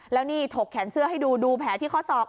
แล้วนี่ถกแขนเสื้อให้ดูดูแผลที่ข้อศอก